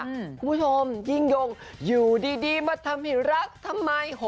คุณผู้ชมยิ่งยงอยู่ดีมาทำให้รักทำไม